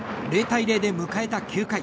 ０対０で迎えた９回。